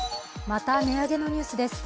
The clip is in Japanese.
また値上げのニュースです。